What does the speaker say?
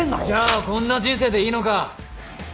じゃあこんな人生でいいのか！？